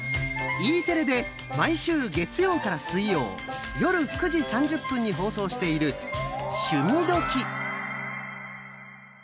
Ｅテレで毎週月曜から水曜夜９時３０分に放送している「趣味どきっ！」。